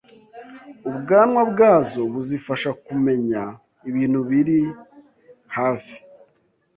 ubwanwa bwazo buzifasha kumenya ibintu biri hafi